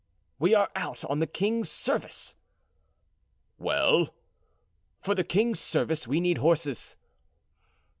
"We are out on the king's service." "Well?" "For the king's service we need horses."